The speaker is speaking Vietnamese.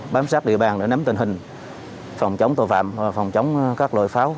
bám sát địa bàn để nắm tình hình phòng chống tội phạm phòng chống các loại pháo